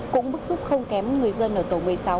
cũng bức xúc không kém người dân ở tổ một mươi sáu